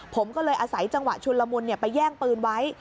ผมก็เลยอาศัยจังหวะชุนละมุนไปแย่งปืนไว้